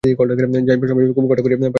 যাইবার সময় খুব ঘটা করিয়া পায়ের ধুলা লইল।